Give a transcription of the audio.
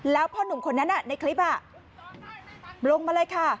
แล้วพ่อหนุ่มคนนั้นในคลิปลงมาเลยค่ะ